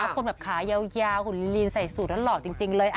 คนแบบขายาวหุ่นลีนใส่สูตรนั้นหล่อจริงเลย